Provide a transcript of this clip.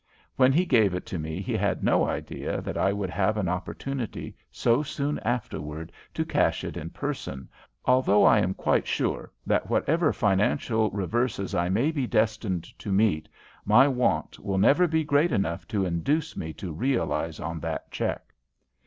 When he gave it to me he had no idea that I would have an opportunity so soon afterward to cash it in person, although I am quite sure that whatever financial reverses I may be destined to meet my want will never be great enough to induce me to realize on that check.